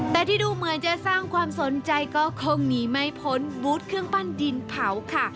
แต่ที่ดูเหมือนจะสร้างความสนใจก็คงหนีไม่พ้นบูธเครื่องปั้นดินเผาค่ะ